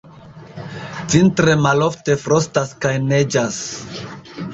Vintre malofte frostas kaj neĝas.